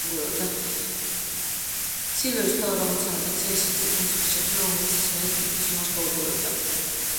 სილვერის მთავარ ამოცანად იქცა ისეთი მუსიკის შექმნა, რომელიც მსმენელს ფიქრის უნარს გაუღვივებდა.